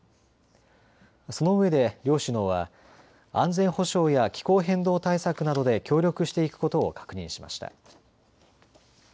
そのうえで両首脳は安全保障や気候変動対策などで協力していくことを確認しました。